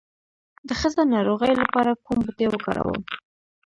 د ښځینه ناروغیو لپاره کوم بوټی وکاروم؟